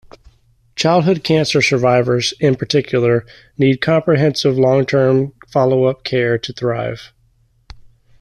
Childhood cancer survivors, in particular, need comprehensive long-term follow-up care to thrive.